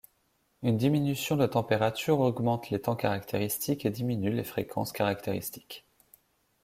Une diminution de température augmente les temps caractéristiques et diminue les fréquences caractéristiques.